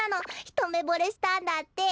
ひとめぼれしたんだって。